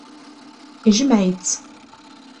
Ijmeɛ-itt.